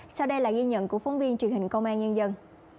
sau đây là ghi nhận của phóng viên truyền hình công an nhân dân